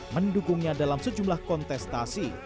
mendukungnya dalam sejumlah kontestasi